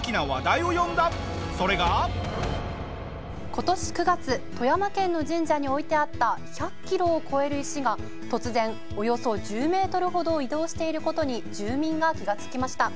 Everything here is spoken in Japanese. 今年９月富山県の神社に置いてあった１００キロを超える石が突然およそ１０メートルほど移動している事に住民が気がつきました。